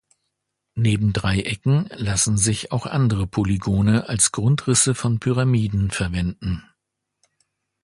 Neben Dreiecken lassen sich auch andere Polygone als Grundrisse von Pyramiden verwenden.